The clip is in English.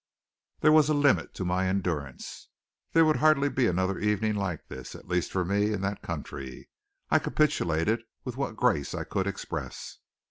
There was a limit to my endurance. There would hardly be another evening like this, at least, for me, in that country. I capitulated with what grace I could express.